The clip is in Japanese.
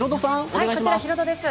こちらヒロドです。